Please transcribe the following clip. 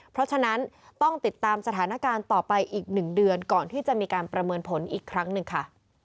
เพราะฉะนั้นต้องติดตามสถานการณ์ต่อไปอีก๑เดือนก่อนที่จะมีการประเมินผลอีกครั้งหนึ่งค่ะ